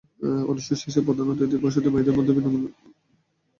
অনুষ্ঠান শেষে প্রধান অতিথি প্রসূতি মায়েদের মধ্যে বিনামূল্যে ওষুধ বিতরণ করেন।